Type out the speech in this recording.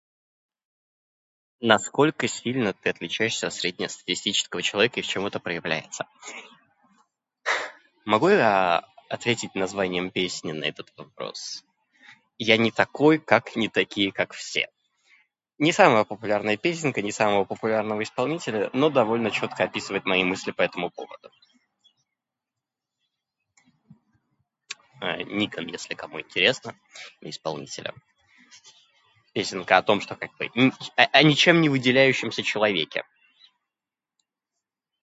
"""Насколько сильно ты отличаешься от среднестатистического человека и в чём это проявляется?"". [disfluency|Эх]... Могу я ответить названием песни на этот вопрос? Я не такой, как не такие как все. Не самая популярная песенка, не самого популярного исполнителя, но довольно чётко описывает мои мысли по этому поводу. Никон, если кому интересно имя исполнителя. Песенка о том, что как бы н-... о о ничем не выделяющемся человеке."